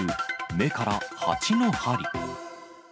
目からハチの針。